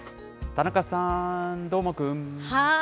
田中さん、どーもくん。